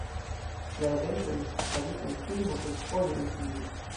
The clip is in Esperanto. La eventoj estis farita en filmo kelkfoje en Ĉinio.